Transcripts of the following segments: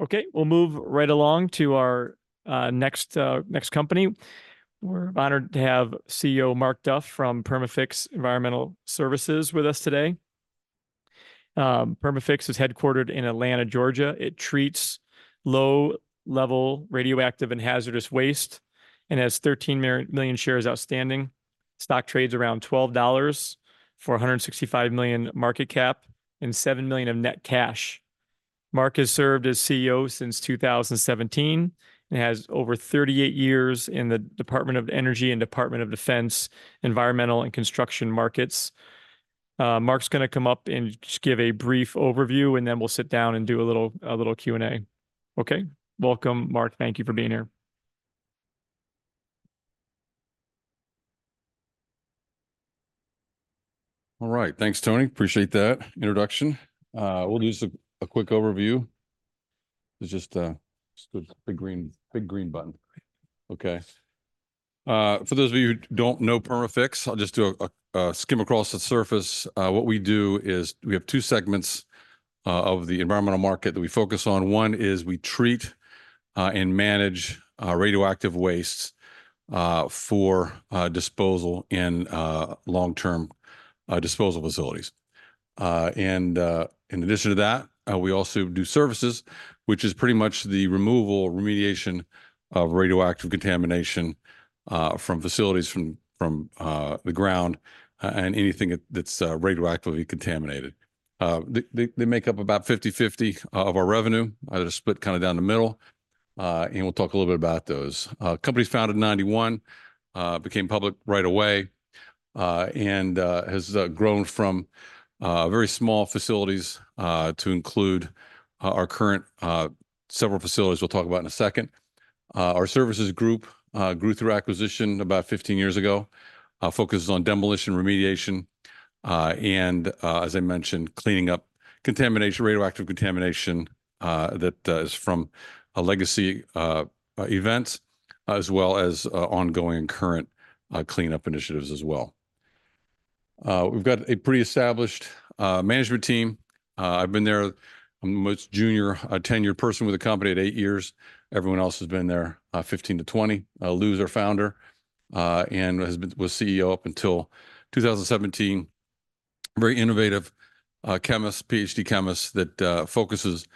Okay, we'll move right along to our next company. We're honored to have CEO Mark Duff from Perma-Fix Environmental Services with us today. Perma-Fix is headquartered in Atlanta, Georgia. It treats low-level radioactive and hazardous waste and has 13 million shares outstanding. Stock trades around $12 for $165 million market cap and $7 million of net cash. Mark has served as CEO since 2017 and has over 38 years in the Department of Energy and Department of Defense Environmental and Construction Markets. Mark's going to come up and just give a brief overview, and then we'll sit down and do a little Q&A. Okay, welcome, Mark. Thank you for being here. All right, thanks, Tony. Appreciate that introduction. We'll do just a quick overview. It's just good, big green, big green button. Okay. For those of you who don't know Perma-Fix, I'll just do a skim across the surface. What we do is we have two segments of the environmental market that we focus on. One is we treat and manage radioactive waste for disposal in long-term disposal facilities. In addition to that, we also do services, which is pretty much the removal, remediation of radioactive contamination from facilities from the ground and anything that's radioactively contaminated. They make up about 50/50 of our revenue. They're split kind of down the middle. We'll talk a little bit about those. Company founded 1991, became public right away, and has grown from very small facilities to include our current several facilities we'll talk about in a second. Our services group grew through acquisition about 15 years ago. Focuses on demolition, remediation, and, as I mentioned, cleaning up contamination, radioactive contamination that is from a legacy event, as well as ongoing and current cleanup initiatives as well. We've got a pretty established management team. I've been there. I'm the most junior tenured person with the company at 8 years. Everyone else has been there 15-20. Lou's our founder, and has been was CEO up until 2017. Very innovative chemist, PhD chemist that focuses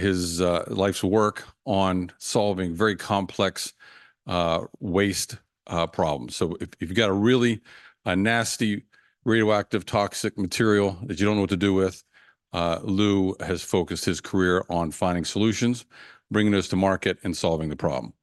his life's work on solving very complex waste problems. So if you've got a really nasty radioactive toxic material that you don't know what to do with, Lou has focused his career on finding solutions, bringing those to market, and solving the problem.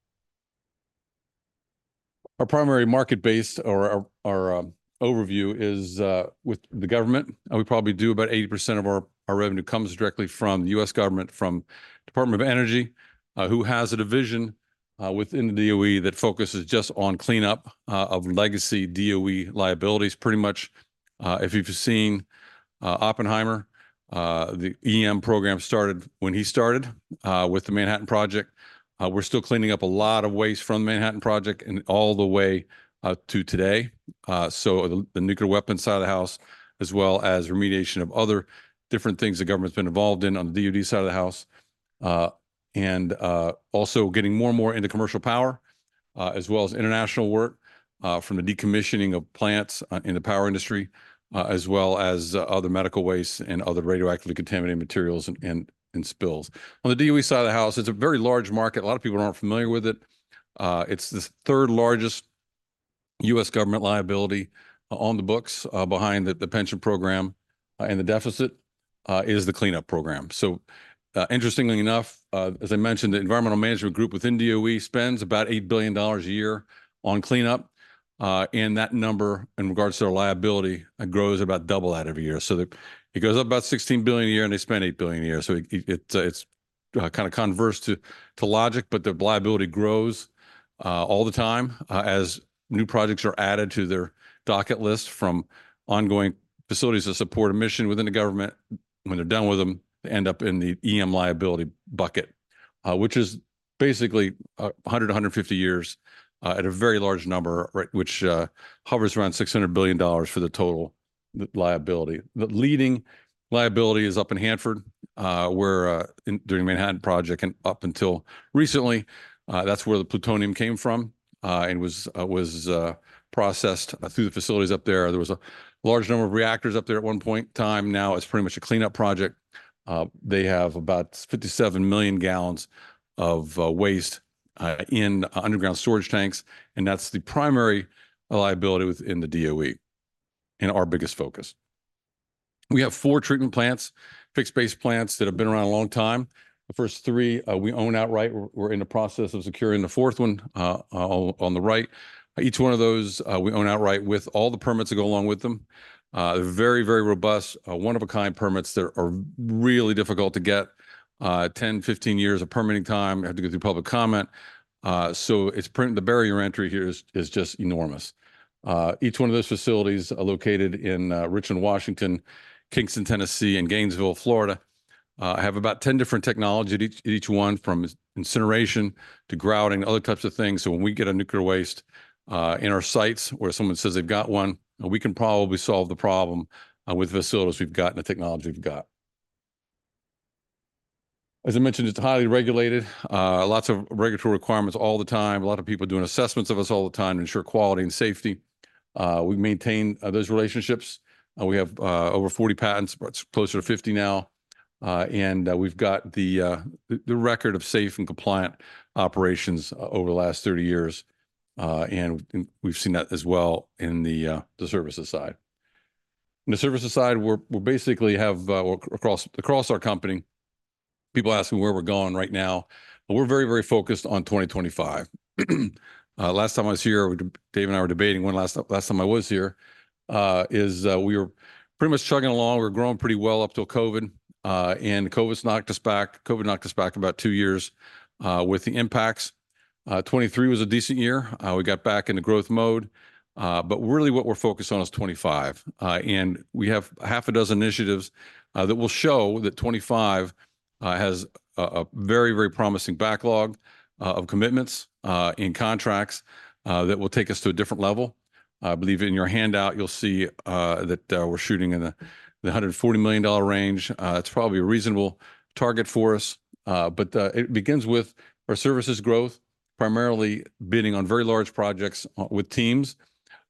Our primary market-based, or our overview is with the government. We probably do about 80% of our revenue comes directly from the U.S. government, from the Department of Energy, who has a division within the DOE that focuses just on cleanup of legacy DOE liabilities. Pretty much, if you've seen Oppenheimer, the EM program started when he started with the Manhattan Project. We're still cleaning up a lot of waste from the Manhattan Project and all the way to today. So the nuclear weapon side of the house, as well as remediation of other different things the government's been involved in on the DOD side of the house. Also getting more and more into commercial power, as well as international work, from the decommissioning of plants in the power industry, as well as other medical waste and other radioactively contaminated materials and spills. On the DOE side of the house, it's a very large market. A lot of people aren't familiar with it. It's the third largest U.S. government liability on the books, behind the pension program and the deficit, is the cleanup program. So, interestingly enough, as I mentioned, the Environmental Management Group within DOE spends about $8 billion a year on cleanup. And that number, in regards to our liability, grows about double that every year. So that it goes up about $16 billion a year, and they spend $8 billion a year. So it's kind of converse to logic, but their liability grows all the time as new projects are added to their docket list from ongoing facilities that support emission within the government. When they're done with them, they end up in the EM liability bucket, which is basically 100-150 years at a very large number, right, which hovers around $600 billion for the total liability. The leading liability is up in Hanford, where during the Manhattan Project and up until recently, that's where the plutonium came from and was processed through the facilities up there. There was a large number of reactors up there at one point in time. Now it's pretty much a cleanup project. They have about 57 million gallons of waste in underground storage tanks, and that's the primary liability within the DOE and our biggest focus. We have four treatment plants, fixed-based plants that have been around a long time. The first three, we own outright. We're in the process of securing the fourth one, on the right. Each one of those, we own outright with all the permits that go along with them. They're very, very robust, one-of-a-kind permits that are really difficult to get. 10, 15 years of permitting time. You have to go through public comment. So it's permitted. The barrier to entry here is just enormous. Each one of those facilities is located in Richland, Washington, Kingston, Tennessee, and Gainesville, Florida. I have about 10 different technologies at each one, from incineration to grouting, other types of things. So when we get a nuclear waste in our sites where someone says they've got one, we can probably solve the problem with the facilities we've got and the technology we've got. As I mentioned, it's highly regulated, lots of regulatory requirements all the time. A lot of people doing assessments of us all the time to ensure quality and safety. We maintain those relationships. We have over 40 patents, but it's closer to 50 now. We've got the record of safe and compliant operations over the last 30 years. We've seen that as well in the services side. In the services side, we're basically have across our company. People ask me where we're going right now. We're very, very focused on 2025. Last time I was here, David and I were debating when last time I was here, we were pretty much chugging along. We're growing pretty well up till COVID. COVID knocked us back. COVID knocked us back about 2 years, with the impacts. 2023 was a decent year. We got back into growth mode. But really what we're focused on is 2025. And we have half a dozen initiatives that will show that 2025 has a very, very promising backlog of commitments and contracts that will take us to a different level. I believe in your handout you'll see that we're shooting in the $140 million range. It's probably a reasonable target for us. But it begins with our services growth, primarily bidding on very large projects with teams.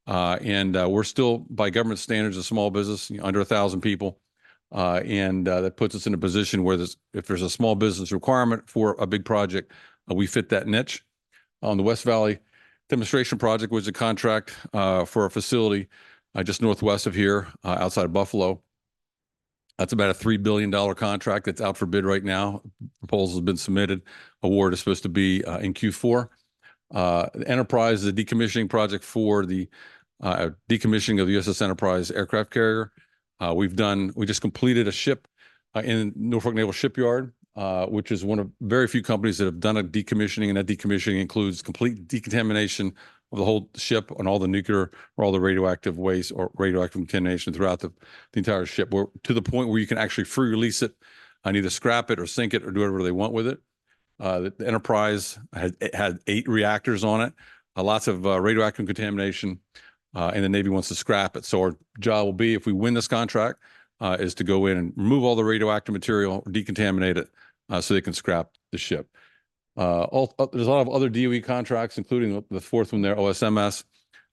And we're still, by government standards, a small business, you know, under 1,000 people. And that puts us in a position where there's, if there's a small business requirement for a big project, we fit that niche. On the West Valley Demonstration Project was a contract for a facility just northwest of here, outside of Buffalo. That's about a $3 billion contract that's out for bid right now. Proposals have been submitted. Award is supposed to be in Q4. The Enterprise is a decommissioning project for the decommissioning of the USS Enterprise aircraft carrier. We've done. We just completed a ship in Norfolk Naval Shipyard, which is one of very few companies that have done a decommissioning, and that decommissioning includes complete decontamination of the whole ship, and all the nuclear or all the radioactive waste or radioactive contamination throughout the entire ship, to the point where you can actually free release it. I need to scrap it or sink it or do whatever they want with it. The Enterprise had 8 reactors on it, lots of radioactive contamination. And the Navy wants to scrap it. So our job will be, if we win this contract, is to go in and remove all the radioactive material, decontaminate it, so they can scrap the ship. All, there's a lot of other DOE contracts, including the 4th one there, OSMS.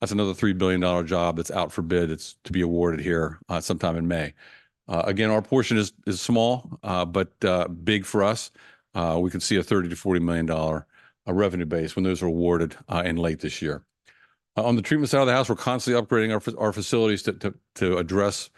That's another $3 billion job that's out for bid. It's to be awarded here, sometime in May. Again, our portion is small, but big for us. We can see a $30-$40 million revenue base when those are awarded, in late this year. On the treatment side of the house, we're constantly upgrading our facilities to address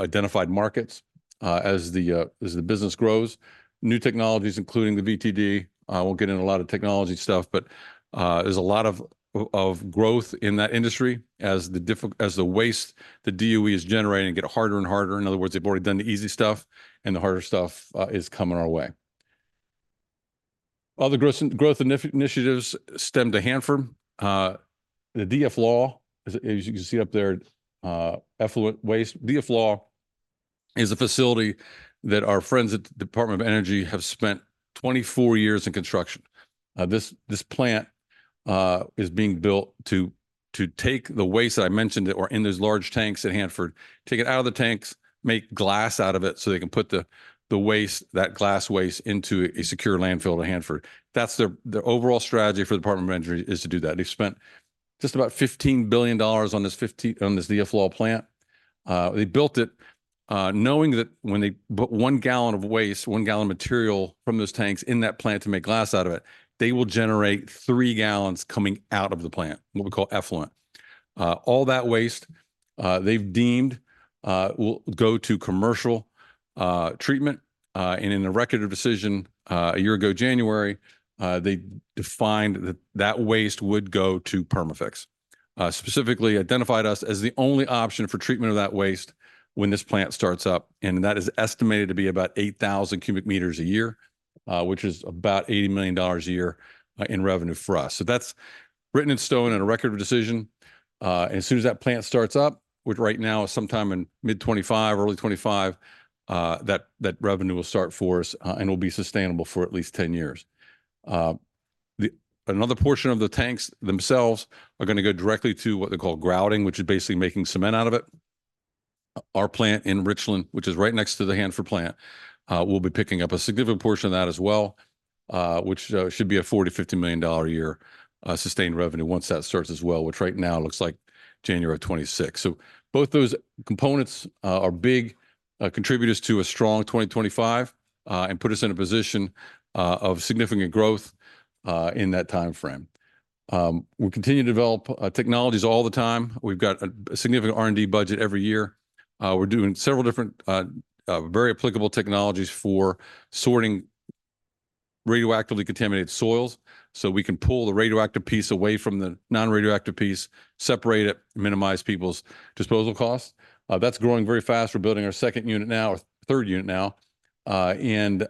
identified markets, as the business grows. New technologies, including the VTD. We'll get in a lot of technology stuff, but there's a lot of growth in that industry as the difficult waste the DOE is generating gets harder and harder. In other words, they've already done the easy stuff, and the harder stuff is coming our way. Other growth initiatives stem to Hanford. The DFLAW, as you can see up there, low-activity waste DFLAW. It is a facility that our friends at the Department of Energy have spent 24 years in construction. This plant is being built to take the waste that I mentioned that were in those large tanks at Hanford, take it out of the tanks, make glass out of it, so they can put the waste, that glass waste, into a secure landfill to Hanford. That's their overall strategy for the Department of Energy is to do that. They've spent just about $15 billion on this DFLAW plant. They built it, knowing that when they put one gallon of waste, one gallon of material from those tanks in that plant to make glass out of it, they will generate three gallons coming out of the plant, what we call effluent. All that waste, they've deemed, will go to commercial treatment. In a Record of Decision a year ago, January, they defined that that waste would go to Perma-Fix, specifically identified us as the only option for treatment of that waste when this plant starts up, and that is estimated to be about 8,000 cubic meters a year, which is about $80 million a year in revenue for us. So that's written in stone in a Record of Decision. As soon as that plant starts up, which right now is sometime in mid-2025, early 2025, that that revenue will start for us, and will be sustainable for at least 10 years. Then another portion of the tanks themselves are going to go directly to what they call grouting, which is basically making cement out of it. Our plant in Richland, which is right next to the Hanford plant, will be picking up a significant portion of that as well, which should be $40-$50 million a year, sustained revenue once that starts as well, which right now looks like January 2026. So both those components are big contributors to a strong 2025, and put us in a position of significant growth in that timeframe. We continue to develop technologies all the time. We've got a significant R&D budget every year. We're doing several different, very applicable technologies for sorting radioactively contaminated soils, so we can pull the radioactive piece away from the non-radioactive piece, separate it, minimize people's disposal costs. That's growing very fast. We're building our second unit now, or third unit now, and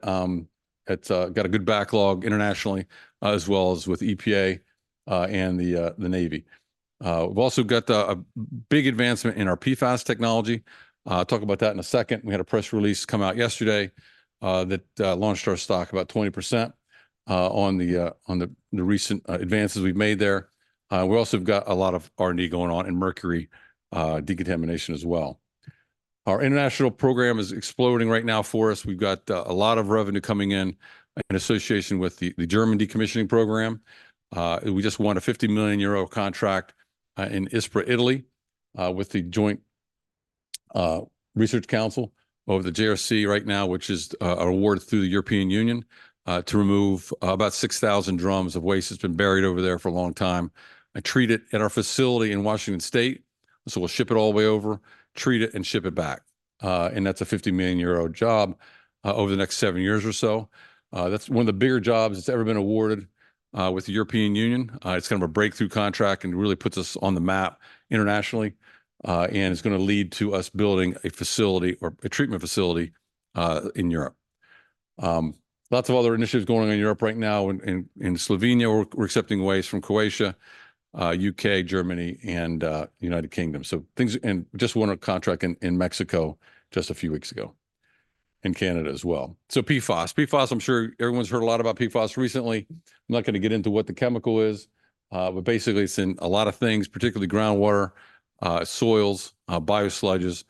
it's got a good backlog internationally, as well as with the EPA, and the Navy. We've also got a big advancement in our PFAS technology. I'll talk about that in a second. We had a press release come out yesterday, that launched our stock about 20%, on the recent advances we've made there. We also have got a lot of R&D going on in mercury decontamination as well. Our international program is exploding right now for us. We've got a lot of revenue coming in in association with the German decommissioning program. We just won a 50 million euro contract in Ispra, Italy, with the Joint Research Council, or the JRC right now, which is awarded through the European Union, to remove about 6,000 drums of waste that's been buried over there for a long time, and treat it at our facility in Washington State. So we'll ship it all the way over, treat it, and ship it back. That's a 50 million euro job over the next 7 years or so. That's one of the bigger jobs that's ever been awarded with the European Union. It's kind of a breakthrough contract, and it really puts us on the map internationally, and it's going to lead to us building a facility or a treatment facility in Europe. Lots of other initiatives going on in Europe right now, and in Slovenia, we're accepting waste from Croatia, UK, Germany, and United Kingdom. So things, and just won a contract in Mexico just a few weeks ago. In Canada as well. So PFAS. I'm sure everyone's heard a lot about PFAS recently. I'm not going to get into what the chemical is, but basically it's in a lot of things, particularly groundwater, soils, biosolids,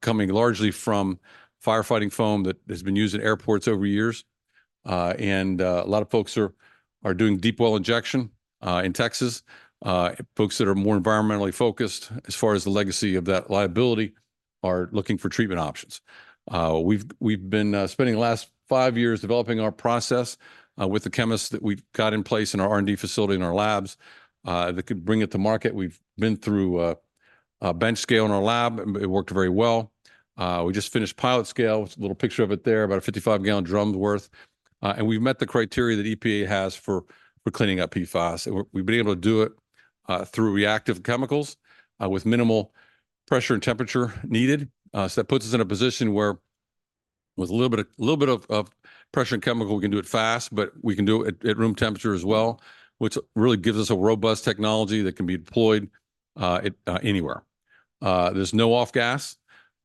coming largely from firefighting foam that has been used in airports over years. A lot of folks are doing deep well injection in Texas. Folks that are more environmentally focused as far as the legacy of that liability are looking for treatment options. We've been spending the last 5 years developing our process, with the chemists that we've got in place in our R&D facility in our labs, that could bring it to market. We've been through bench scale in our lab. It worked very well. We just finished pilot scale. It's a little picture of it there, about a 55-gallon drum's worth. And we've met the criteria that EPA has for cleaning up PFAS. We've been able to do it through reactive chemicals, with minimal pressure and temperature needed. So that puts us in a position where, with a little bit of pressure and chemical, we can do it fast, but we can do it at room temperature as well, which really gives us a robust technology that can be deployed anywhere. There's no off-gas.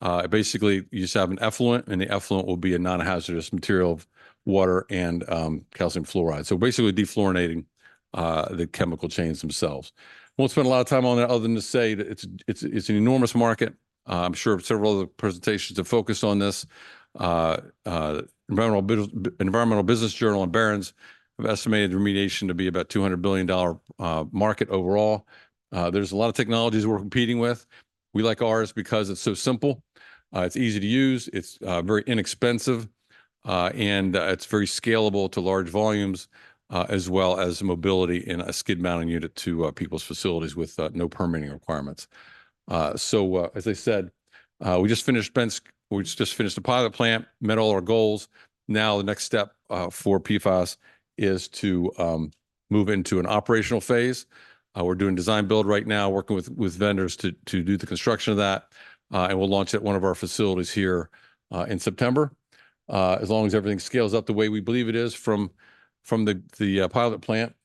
It basically you just have an effluent, and the effluent will be a non-hazardous material of water and calcium fluoride. So basically defluorinating the chemical chains themselves. Won't spend a lot of time on that, other than to say that it's an enormous market. I'm sure several other presentations have focused on this. Environmental Business Journal and Barron's have estimated remediation to be about $200 billion market overall. There's a lot of technologies we're competing with. We like ours because it's so simple. It's easy to use. It's very inexpensive. And it's very scalable to large volumes, as well as mobility in a skid mounted unit to people's facilities with no permitting requirements. So, as I said, we just finished bench; we just finished a pilot plant, met all our goals. Now the next step for PFAS is to move into an operational phase. We're doing design build right now, working with vendors to do the construction of that. And we'll launch at one of our facilities here, in September. As long as everything scales up the way we believe it is from the pilot plant,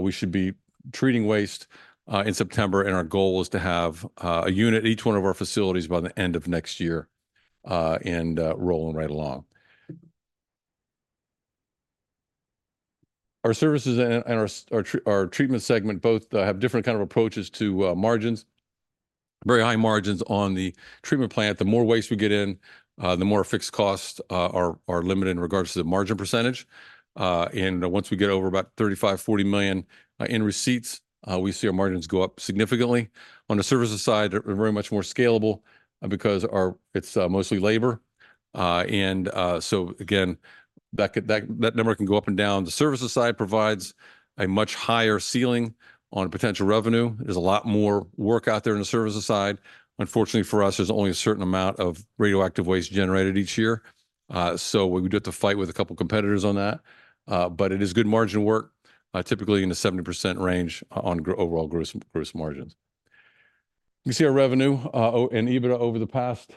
we should be treating waste, in September, and our goal is to have, a unit at each one of our facilities by the end of next year. And, rolling right along. Our services and our treatment segment both, have different kind of approaches to, margins. Very high margins on the treatment plant. The more waste we get in, the more fixed costs, are limited in regards to the margin percentage. And, once we get over about $35-$40 million, in receipts, we see our margins go up significantly on the service side. They're very much more scalable, because our it's mostly labor. And so again, that number can go up and down. The service side provides a much higher ceiling on potential revenue. There's a lot more work out there on the service side. Unfortunately for us, there's only a certain amount of radioactive waste generated each year. So we do have to fight with a couple of competitors on that. But it is good margin work, typically in the 70% range on overall gross margins. You see our revenue, oh, and EBITDA over the past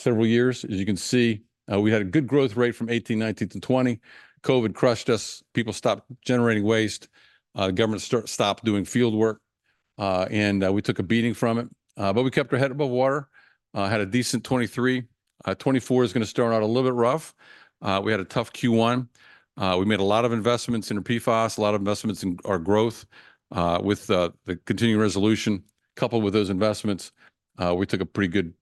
several years. As you can see, we had a good growth rate from 2018, 2019, to 2020. COVID crushed us. People stopped generating waste. The government stopped doing field work. And we took a beating from it. But we kept our head above water. Had a decent 2023. 2024 is going to start out a little bit rough. We had a tough Q1. We made a lot of investments in our PFAS, a lot of investments in our growth, with the continuing resolution. Coupled with those investments, we took a pretty good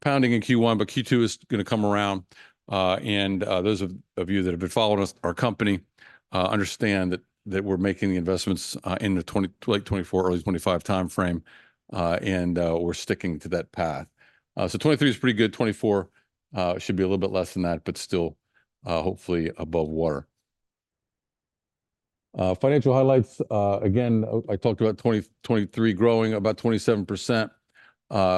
pounding in Q1, but Q2 is going to come around. Those of you that have been following us, our company, understand that we're making the investments, in the late 2024, early 2025 timeframe. We're sticking to that path. So 2023 is pretty good. 2024 should be a little bit less than that, but still, hopefully above water. Financial highlights. Again, I talked about 2023 growing about 27%,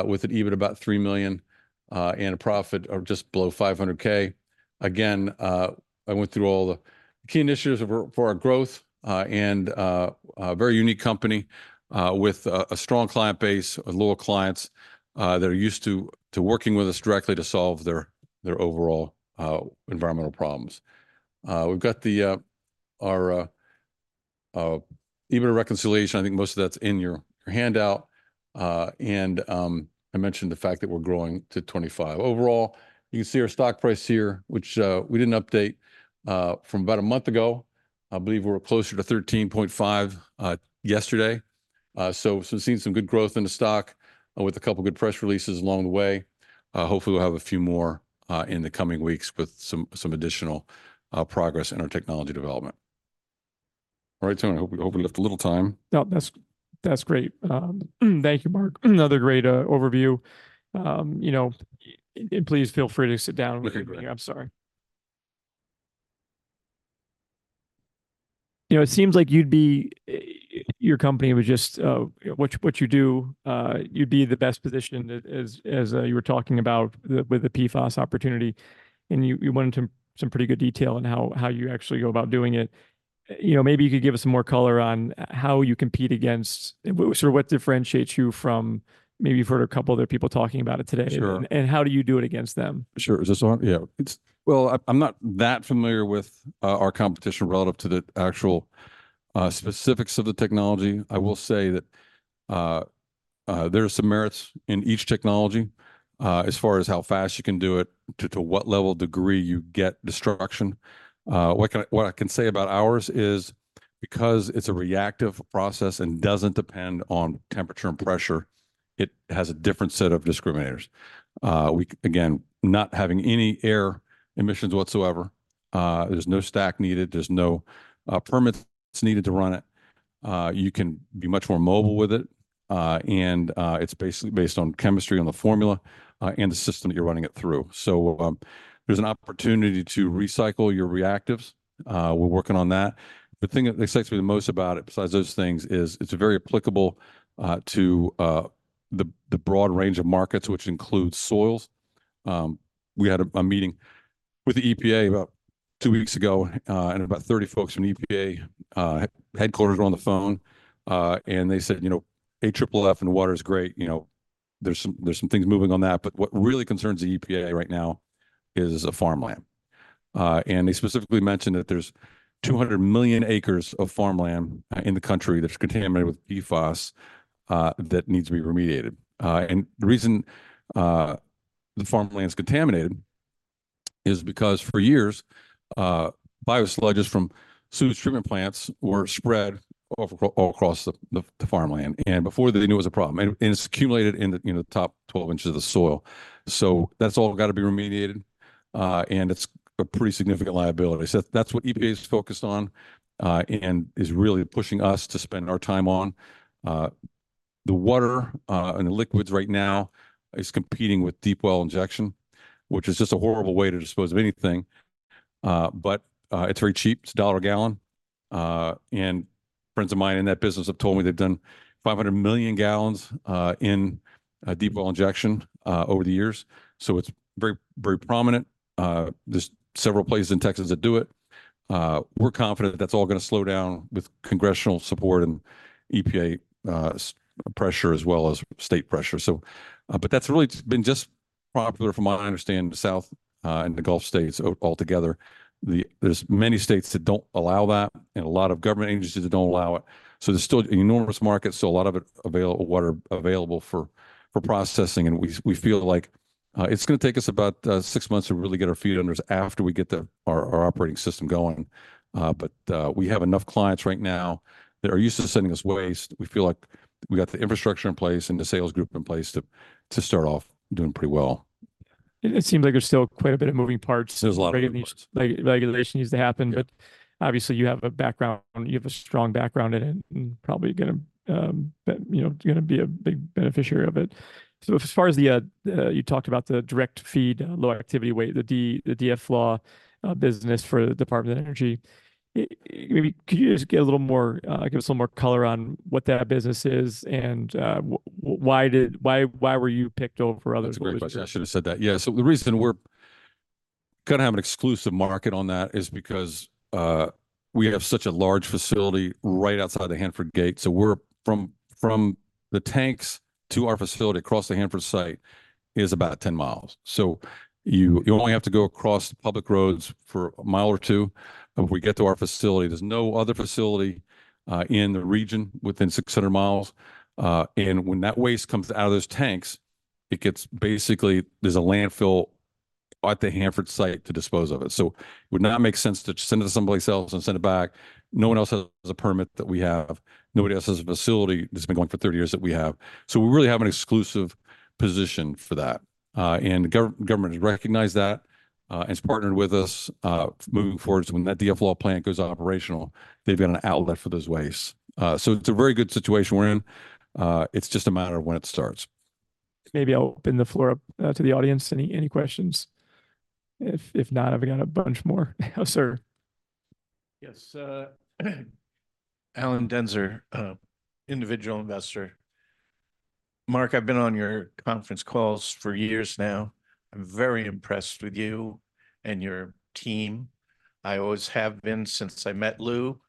with an EBIT about $3 million, and a profit of just below $500,000. Again, I went through all the key initiatives for our growth, and very unique company, with a strong client base, loyal clients, that are used to working with us directly to solve their overall environmental problems. We've got the our even a reconciliation. I think most of that's in your handout. I mentioned the fact that we're growing to 25 overall. You can see our stock price here, which we didn't update from about a month ago. I believe we were closer to $13.5 yesterday. So we've seen some good growth in the stock, with a couple of good press releases along the way. Hopefully we'll have a few more in the coming weeks with some additional progress in our technology development. All right, Tony. Hopefully left a little time. No, that's great. Thank you, Mark. Another great overview. You know, and please feel free to sit down. Looking great. I'm sorry. You know, it seems like you'd be, your company would just, you know, what you what you do, you'd be the best positioned as as you were talking about the with the PFAS opportunity. And you you went into some pretty good detail on how how you actually go about doing it. You know, maybe you could give us some more color on how you compete against, sort of what differentiates you from maybe you've heard a couple other people talking about it today. Sure. And and how do you do it against them? Sure. Is this on? Yeah. Well, I'm not that familiar with our competition relative to the actual specifics of the technology. I will say that there are some merits in each technology, as far as how fast you can do it, to what level of degree you get destruction. What I can say about ours is, because it's a reactive process and doesn't depend on temperature and pressure, it has a different set of discriminators. We again, not having any air emissions whatsoever. There's no stack needed. There's no permits needed to run it. You can be much more mobile with it. And it's basically based on chemistry on the formula, and the system that you're running it through. So, there's an opportunity to recycle your reactives. We're working on that. The thing that excites me the most about it, besides those things, is it's very applicable to the broad range of markets, which includes soils. We had a meeting with the EPA about 2 weeks ago, and about 30 folks from the EPA headquarters were on the phone. And they said, you know, AFFF and water is great. You know, there's some things moving on that. But what really concerns the EPA right now is farmland. And they specifically mentioned that there's 200 million acres of farmland in the country that's contaminated with PFAS that needs to be remediated. And the reason the farmland is contaminated is because for years, biosludges from sewage treatment plants were spread over all across the farmland, and before they knew it was a problem, and it's accumulated in the, you know, the top 12 inches of the soil. So that's all got to be remediated. And it's a pretty significant liability. So that's what EPA is focused on, and is really pushing us to spend our time on the water and the liquids. Right now is competing with deep well injection, which is just a horrible way to dispose of anything. It's very cheap. It's $1 a gallon. Friends of mine in that business have told me they've done 500 million gallons in deep well injection over the years. So it's very, very prominent. There are several places in Texas that do it. We're confident that that's all going to slow down with congressional support and EPA pressure, as well as state pressure. So but that's really been just popular, from what I understand, in the South and the Gulf States altogether. There are many states that don't allow that, and a lot of government agencies that don't allow it. So there's still an enormous market. So a lot of available water available for processing. And we feel like it's going to take us about six months to really get our feet under us after we get our operating system going. But we have enough clients right now that are used to sending us waste. We feel like we got the infrastructure in place and the sales group in place to start off doing pretty well. Yeah, it seems like there's still quite a bit of moving parts. There's a lot of regulation needs to happen. But obviously you have a background. You have a strong background in it, and probably gonna, you know, gonna be a big beneficiary of it. So as far as the, you talked about the direct feed low-activity waste, the DFLAW, business for the Department of Energy. Could you just give us a little more color on what that business is, and why were you picked over others? That's a great question. I should have said that. Yeah. So the reason we're gonna have an exclusive market on that is because we have such a large facility right outside the Hanford Gate. So from the tanks to our facility across the Hanford site is about 10 miles. So you only have to go across the public roads for a mile or two. If we get to our facility, there's no other facility in the region within 600 miles. And when that waste comes out of those tanks, it gets basically there's a landfill at the Hanford site to dispose of it. So it would not make sense to send it to somebody else and send it back. No one else has a permit that we have. Nobody else has a facility that's been going for 30 years that we have. So we really have an exclusive position for that, and the government has recognized that, and has partnered with us, moving forward. So when that DFLAW plant goes operational, they've got an outlet for those waste. So it's a very good situation we're in. It's just a matter of when it starts. Maybe I'll open the floor up to the audience. Any questions? If not, I've got a bunch more. Oh, sir. Yes, Alan Danzer, individual investor. Mark, I've been on your conference calls for years now. I'm very impressed with you and your team. I always have been since I met Lou,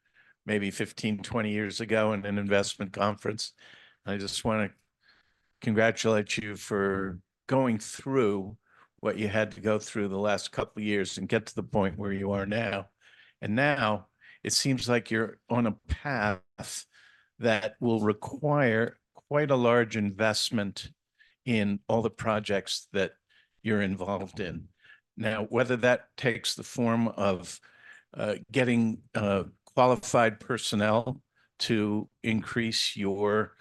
maybe 15, 20 years ago in an investment conference. And I just want to congratulate you for going through what you had to go through the last couple of years and get to the point where you are now. And now it seems like you're on a path that will require quite a large investment in all the projects that you're involved in. Now, whether that takes the form of, getting, qualified personnel to increase your,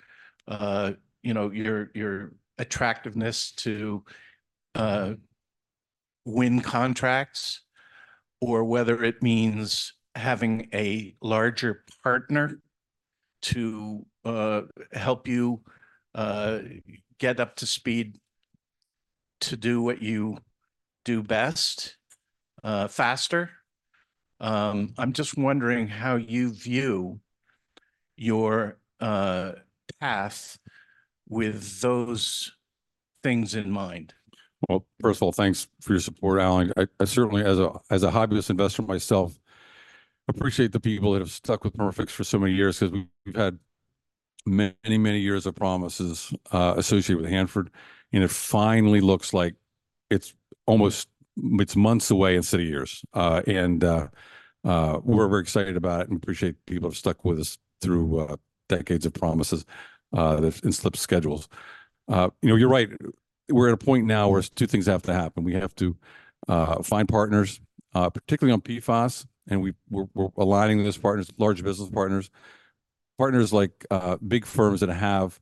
you know, your attractiveness to, win contracts. Or whether it means having a larger partner to, help you, get up to speed. To do what you do best, faster. I'm just wondering how you view your, path with those things in mind. Well, first of all, thanks for your support, Alan. I certainly, as a hobbyist investor myself, appreciate the people that have stuck with Perma-Fix for so many years, because we've had many, many years of promises, associated with Hanford, and it finally looks like it's almost months away instead of years. And, we're very excited about it, and appreciate people who have stuck with us through decades of promises, that and slipped schedules. You know, you're right. We're at a point now where 2 things have to happen. We have to find partners, particularly on PFAS, and we're aligning those partners, large business partners. Partners like big firms that have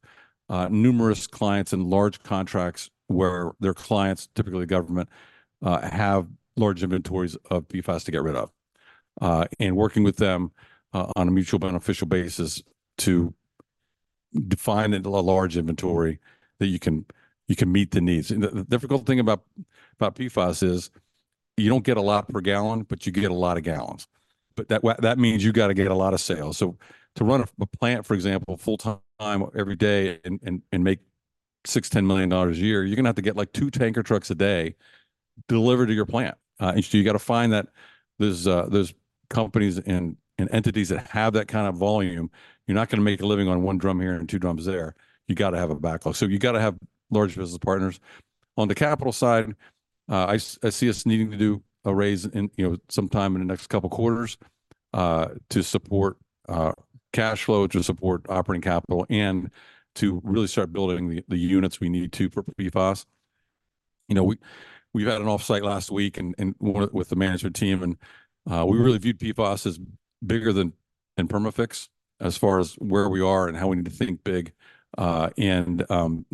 numerous clients and large contracts, where their clients, typically government, have large inventories of PFAS to get rid of. And working with them, on a mutual beneficial basis to define it a large inventory that you can meet the needs. The difficult thing about PFAS is you don't get a lot per gallon, but you get a lot of gallons. But that means you gotta get a lot of sales. So to run a plant, for example, full time every day, and make $6-$10 million a year, you're gonna have to get like two tanker trucks a day delivered to your plant. So you gotta find that there's companies and entities that have that kind of volume. You're not gonna make a living on one drum here and two drums there. You gotta have a backlog. So you gotta have large business partners on the capital side. I see us needing to do a raise in, you know, some time in the next couple quarters, to support cash flow, to support operating capital, and to really start building the units we need to for PFAS. You know, we've had an offsite last week, and one with the management team, and we really viewed PFAS as bigger than Perma-Fix, as far as where we are and how we need to think big, and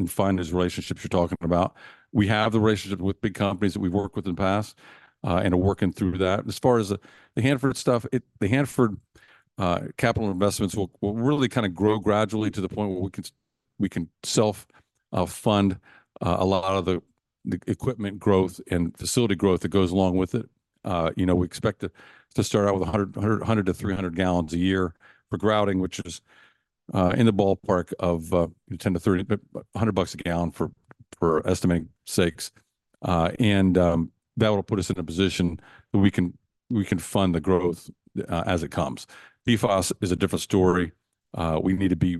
find those relationships you're talking about. We have the relationships with big companies that we've worked with in the past, and are working through that as far as the Hanford stuff. The Hanford capital investments will really kind of grow gradually to the point where we can self-fund a lot of the equipment growth and facility growth that goes along with it. You know, we expect to start out with 100-300 gallons a year for grouting, which is, in the ballpark of, you know, $10-$30, but $100 a gallon for estimating sakes. That will put us in a position that we can fund the growth, as it comes. PFAS is a different story. We need to be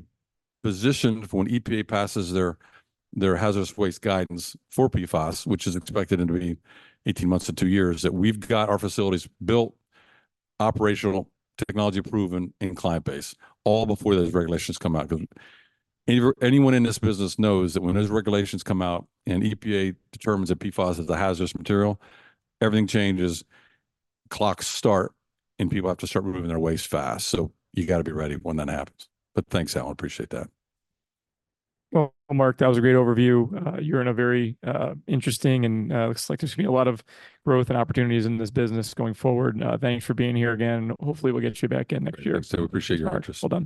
positioned for when EPA passes their hazardous waste guidance for PFAS, which is expected in 18 months-2 years, that we've got our facilities built, operational, technology proven, and client base all before those regulations come out. Because anyone in this business knows that when those regulations come out and EPA determines that PFAS is a hazardous material, everything changes. Clocks start, and people have to start moving their waste fast. So you gotta be ready when that happens. But thanks, Alan. Appreciate that. Well, Mark, that was a great overview. You're in a very interesting. Looks like there's gonna be a lot of growth and opportunities in this business going forward. Thanks for being here again, and hopefully we'll get you back in next year. Thanks. So we appreciate your interest.